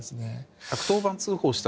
１１０番通報した